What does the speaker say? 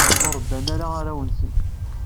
Ur rebban ara arraw-nsen.